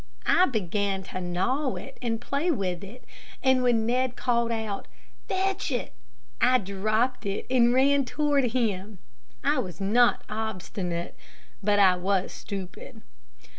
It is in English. I began to gnaw it and play with it, and when Ned called out, "Fetch it," I dropped it and ran toward him. I was not obstinate, but I was stupid.